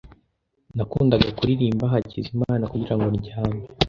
Nakundaga kuririmba Hakizimana kugirango ndyame.